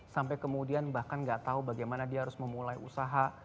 sampai kemudian bahkan gak tahu bagaimana dia harus memulai usaha